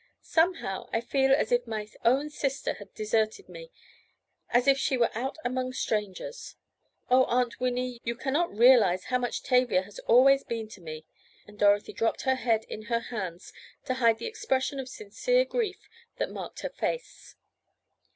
Somehow I feel as if my own sister had deserted me—as if she were out among strangers. Oh, Aunt Winnie, you can not realize how much Tavia has always been to me!" and Dorothy dropped her head in her hands to hide the expression of sincere grief that marked her face.